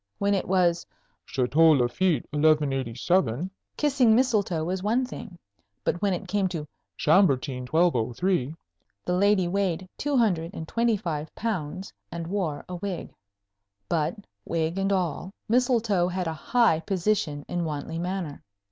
When it was "Château Lafitte, 1187," kissing Mistletoe was one thing; but when it came to "Chambertin, 1203," the lady weighed two hundred and twenty five pounds, and wore a wig. But, wig and all, Mistletoe had a high position in Wantley Manor.